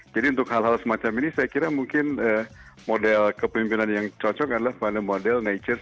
jadi untuk hal hal semacam ini saya kira mungkin model kepemimpinan yang cocok adalah pada model nature